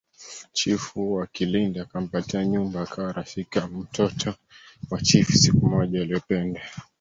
Chifu wa Kilindi akampatia nyumba akawa rafiki wa mtoto wa chifu Siku moja walipoenda